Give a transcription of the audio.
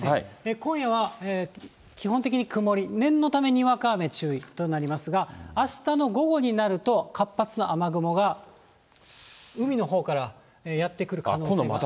今夜は基本的に曇り、念のために、にわか雨注意となりますが、あしたの午後になると、活発な雨雲が海のほうからやって来る可能性があります。